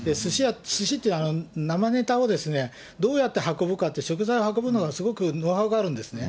すしって、生ねたをどうやって運ぶかって、食材を運ぶの、ノウハウがあるんですね。